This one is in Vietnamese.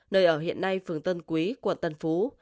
nơi ở hiện nay phường tân quý quận tân phú